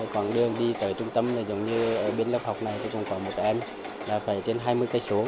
còn đường đi tới trung tâm giống như ở bên lớp học này thì còn có một em là phải tiến hai mươi km